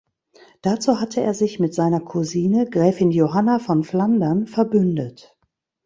Dazu hatte er sich mit seiner Cousine, Gräfin Johanna von Flandern, verbündet.